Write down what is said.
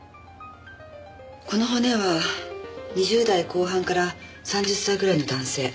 この骨は２０代後半から３０歳ぐらいの男性。